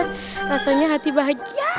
rasanya hati bahagia